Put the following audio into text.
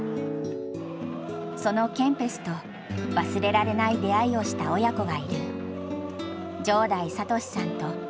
そのケンペスと忘れられない出会いをした親子がいる。